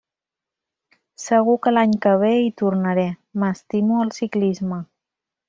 Segur que l'any que ve hi tornaré, m'estimo el ciclisme.